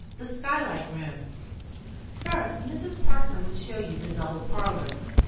THE SKYLIGHT ROOM First Mrs. Parker would show you the double parlours.